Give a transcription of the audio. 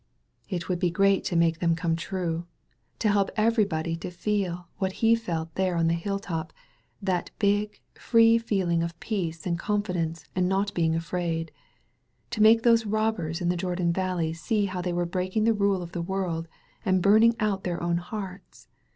It would be great to make them come true. To help eveiybody to feel what he felt there on the hilltc^> — ^that big, free feeling of peace and confidence and not being afraid ! To make those robbers in the Jordan vall^ see how they were breaking the rule of the world and burning out their own hearts